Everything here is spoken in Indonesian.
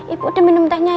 ibu udah minum tehnya ya